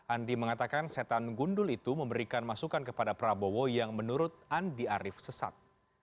andi mengatakan setan gundul itu memberikan masukan kepada prabowo yang menurut andi arief sesat